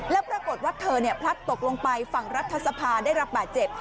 แล้วปรากฏว่าเธอพลัดตกลงไปฝั่งรัฐสภาได้รับบาดเจ็บ